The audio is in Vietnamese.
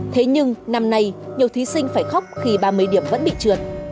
thế nhưng năm nay nhiều thí sinh phải khóc khi ba mươi điểm vẫn bị trượt